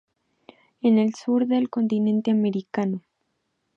En el sur del continente americano.